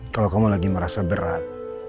kalau kamu lagi merasa berat